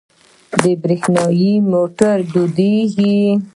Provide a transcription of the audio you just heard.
د بریښنا موټرې دود کیږي.